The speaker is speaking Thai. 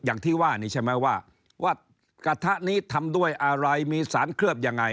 อย่างที่ว่านี่ใช่ไหมว่าว่ากระทะนี้ทำด้วยอะไรมีสารเคลือบยังไง